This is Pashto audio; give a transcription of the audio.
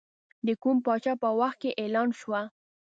د کوم پاچا په وخت کې اعلان شوه.